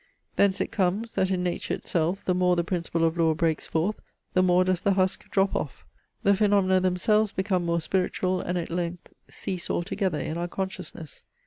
Thence it comes, that in nature itself the more the principle of law breaks forth, the more does the husk drop off, the phaenomena themselves become more spiritual and at length cease altogether in our consciousness.